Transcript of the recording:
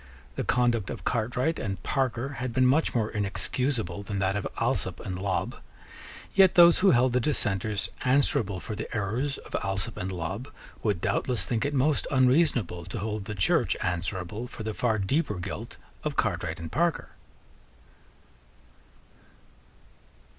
The conduct of Cartwright and Parker had been much more inexcusable than that of Alsop and Lobb. Yet those who held the dissenters answerable for the errors of Alsop and Lobb would doubtless think it most unreasonable to hold the Church answerable for the far deeper guilt of Cartwright and Parker.